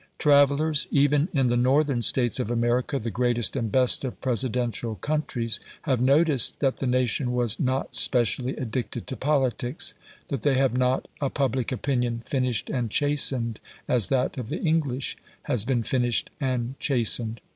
Travellers even in the Northern States of America, the greatest and best of Presidential countries, have noticed that the nation was "not specially addicted to politics"; that they have not a public opinion finished and chastened as that of the English has been finished and chastened.